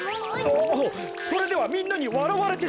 ああそれではみんなにわらわれてしまう。